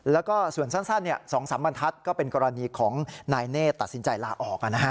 แล้วก็ส่วนสั้น๒๓บรรทัศน์ก็เป็นกรณีของนายเนธตัดสินใจลาออก